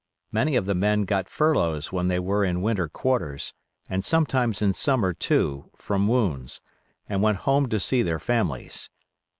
Many of the men got furloughs when they were in winter quarters, and sometimes in summer, too, from wounds, and went home to see their families.